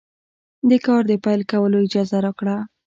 د کار د پیل کولو اجازه راکړه.